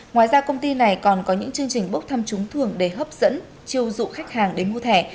ngoài ra công ty này còn có những chương trình bốc thăm trúng thường để hấp dẫn chiêu dụ khách hàng đến mua thẻ